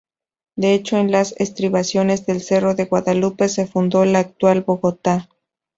De hecho, en las estribaciones del cerro de Guadalupe se fundó la actual Bogotá.